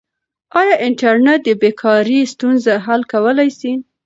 آیا انټرنیټ د بې کارۍ ستونزه حل کولای سي؟